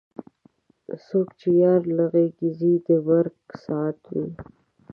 څوک چې یار له غېږې ځي د مرګ ساعت وي.